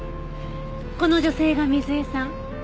この女性が水絵さん。